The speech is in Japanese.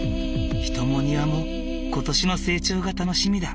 人も庭も今年の成長が楽しみだ。